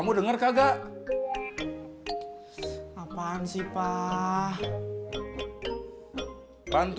aduh sungguh kamu bapanya nganggur